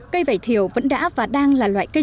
cây vải thiều vẫn đã và đang là loại cây